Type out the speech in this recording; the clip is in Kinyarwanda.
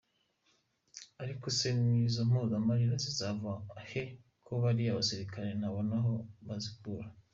Ariko se izo mpozamarira zizava he ko bariya basirikare ntabona aho bazikura?.